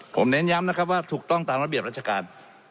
ผมเน้นย้ำนะครับว่าถูกต้องตามระเบียบราชการ